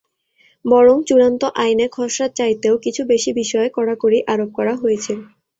বরং চূড়ান্ত আইনে খসড়ার চাইতেও কিছু বিষয়ে বেশি কড়াকড়ি আরোপ করা হয়েছে।